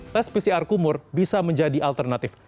tes pcr kumur bisa menjadi alternatif